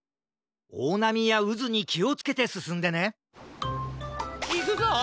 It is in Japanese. おおなみやうずにきをつけてすすんでねいくぞ！